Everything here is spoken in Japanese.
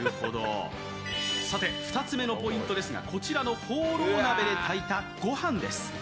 さて、２つ目のポイントですが、こちらのホーロー鍋で炊いたご飯です。